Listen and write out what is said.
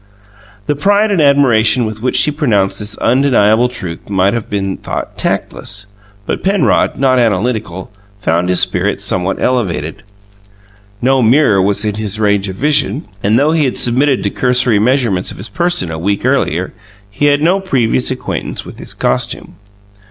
The pride and admiration with which she pronounced this undeniable truth might have been thought tactless, but Penrod, not analytical, found his spirits somewhat elevated. No mirror was in his range of vision and, though he had submitted to cursory measurements of his person a week earlier, he had no previous acquaintance with the costume.